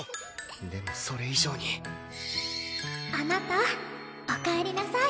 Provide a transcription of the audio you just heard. でもそれ以上にあなたおかえりなさい。